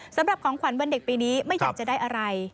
สำหรับของขวัญวันเด็กปีนี้ไม่อยากจะได้อะไร